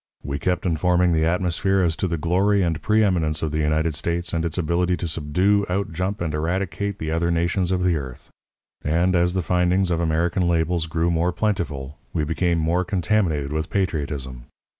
We kept informing the atmosphere as to the glory and preeminence of the United States and its ability to subdue, outjump, and eradicate the other nations of the earth. And, as the findings of American labels grew more plentiful, we became more contaminated with patriotism.